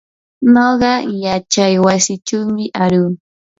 nuqa yachaywasichumi aruu.